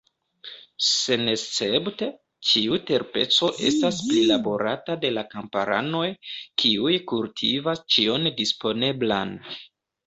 Senescepte, ĉiu terpeco estas prilaborata de la kamparanoj, kiuj kultivas ĉion disponeblan.